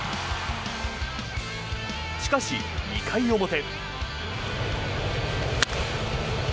しかし、２回表。